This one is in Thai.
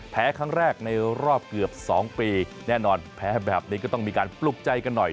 แพ้ครั้งแรกในรอบเกือบ๒ปีแน่นอนแพ้แบบนี้ก็ต้องมีการปลุกใจกันหน่อย